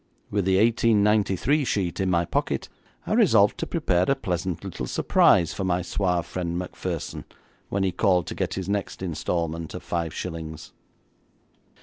With the 1893 sheet in my pocket I resolved to prepare a pleasant little surprise for my suave friend Macpherson when he called to get his next instalment of five shillings.